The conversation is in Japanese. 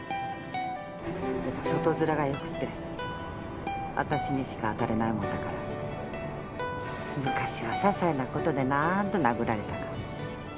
でも外面がよくてわたしにしか当たれないもんだから昔はささいなことで何度殴られたか。